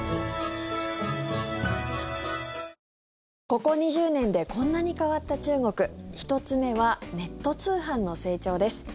ここ２０年でこんなに変わった中国１つ目はネット通販の成長です。